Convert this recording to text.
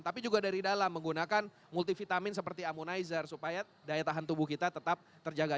tapi juga dari dalam menggunakan multivitamin seperti ammonizer supaya daya tahan tubuh kita tetap terjaga